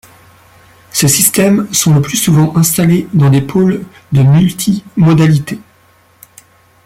Ces systèmes sont le plus souvent installés dans des pôles de multimodalité.